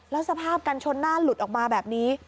แล้วสภาพกันชนหน้าหลุดออกมาแบบนี้